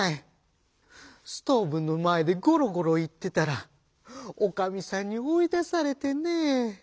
ストーブのまえでゴロゴロいってたらおかみさんにおいだされてねぇ」。